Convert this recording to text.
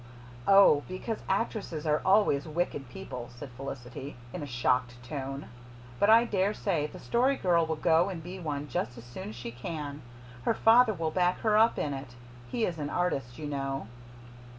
"Oh, because actresses are always wicked people," said Felicity in a shocked tone. "But I daresay the Story Girl will go and be one just as soon as she can. Her father will back her up in it. He is an artist, you know."